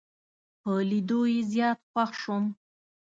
په لیدو یې زیات خوښ شوم.